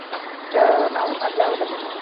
চা নাও আর যাও এখান থেকে।